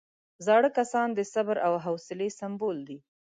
زاړه کسان د صبر او حوصلې سمبول دي